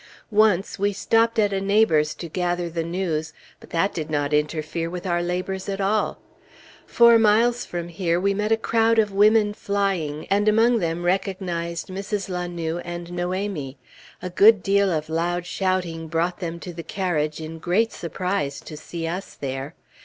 Once we stopped at a neighbor's to gather the news, but that did not interfere with our labors at all. Four miles from here we met a crowd of women flying, and among them recognized Mrs. La Noue and Noémie. A good deal of loud shouting brought them to the carriage in great surprise to see us there.